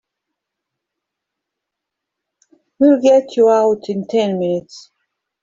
We'll get you out in ten minutes.